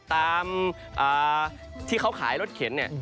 ตามที่เขาขายรถเข็นเนี่ย